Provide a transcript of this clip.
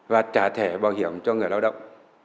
và trả thẻ bảo hiểm cho người lao động